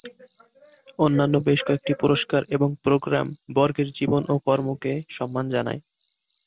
অন্যান্য বেশ কয়েকটি পুরস্কার এবং প্রোগ্রাম বর্গের জীবন ও কর্মকে সম্মান জানায়।